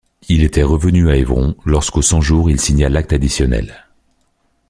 Il était revenu à Évron, lorsqu'aux Cent-Jours il signa l'acte additionnel.